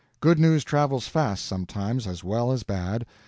Good news travels fast, sometimes, as well as bad.